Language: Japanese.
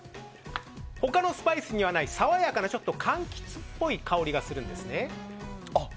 他のスパイスにはない爽やかなかんきつっぽい香りがするんですね。